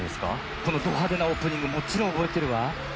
このドはでなオープニングもちろんおぼえてるわ。